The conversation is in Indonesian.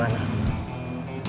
uang ini dari mana